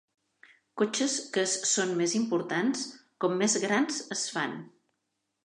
Cotxes que es són més importants com més grans es fan.